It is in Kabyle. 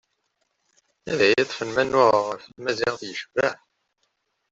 Ad iyi-ṭfen ma nnuɣeɣ ɣef tmaziɣt yecbeḥ.